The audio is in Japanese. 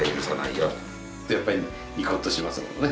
やっぱりニコっとしますもんね。